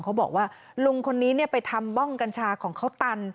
เขาบอกว่าลุงคนนี้ไปทำบ้องกัญชาของเขาตัน